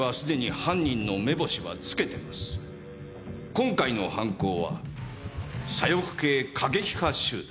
今回の犯行は左翼系過激派集団。